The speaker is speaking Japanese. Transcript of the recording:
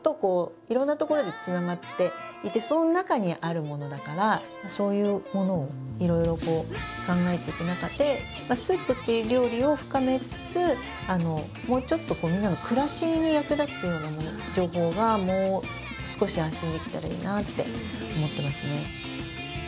してきたからやっぱり人のそういうものをいろいろ考えていく中でスープっていう料理を深めつつもうちょっとみんなの暮らしに役立つような情報がもう少し発信できたらいいなって思ってますね。